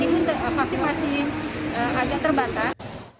dan memang saat ini vaksin vaksin aja terbatas